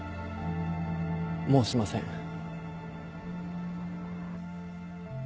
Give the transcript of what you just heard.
もうしません